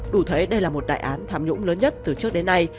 đủ thấy đây là một đại án tham nhũng lớn nhất từ trước đến nay